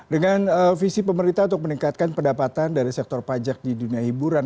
dengan visi pemerintah untuk meningkatkan pendapatan dari sektor pajak di dunia hiburan